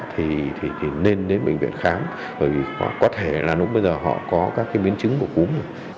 thì nên đến bệnh viện khám có thể là lúc bây giờ họ có các biến chứng của cúm